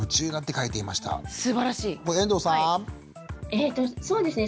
えっとそうですね